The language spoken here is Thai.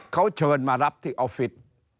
เขาเชิญมารับที่ออฟฟิศ